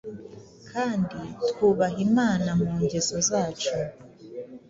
kandi twubaha Imana mu ngeso zacu,